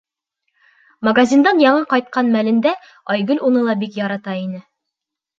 Магазиндан яңы ҡайтҡан мәлендә Айгөл уны ла бик ярата ине.